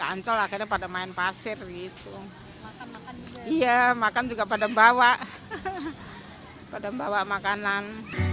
ancol akhirnya pada main pasir gitu iya makan juga pada bawa pada bawa makanan